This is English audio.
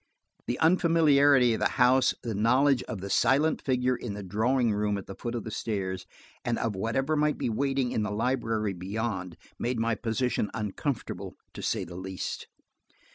The unfamiliarity of the house, the knowledge of the silent figure in the drawing room at the foot of the stairs, and of whatever might be waiting in the library beyond, made my position uncomfortable, to say the least.